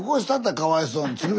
かわいそうに。